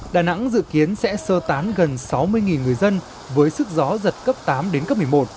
đà nẵng dự kiến sẽ sơ tán gần sáu mươi người dân với sức gió giật cấp tám đến cấp một mươi một